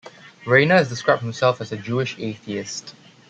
Reiner has described himself as a Jewish atheist.